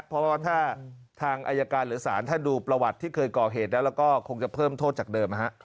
เพราะว่าถ้าทางอายการหรือศาลถ้าดูประวัติที่เคยก่อเหตุแล้วแล้วก็คงจะเพิ่มโทษจากเดิม